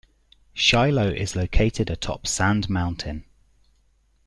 Shiloh is located atop Sand Mountain.